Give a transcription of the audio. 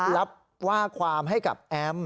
รับว่าความให้กับแอม